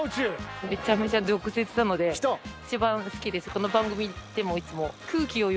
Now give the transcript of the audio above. この番組でもいつも。